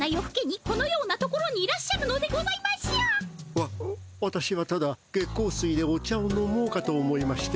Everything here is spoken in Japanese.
わわたしはただ月光水でお茶を飲もうかと思いまして。